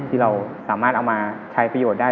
ที่เราสามารถเอามาใช้ประโยชน์ได้